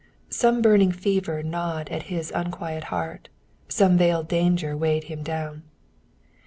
Some burning fever gnawed at his unquiet heart, some veiled danger weighed him down.